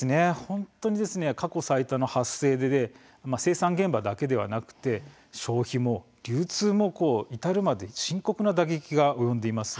過去最多の発生で生産現場だけでなく消費も流通も深刻な打撃が及んでいます。